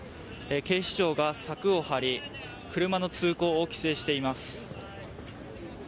警視庁が柵を張り車の通行を規制しています。